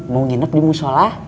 mau nginep di musyolah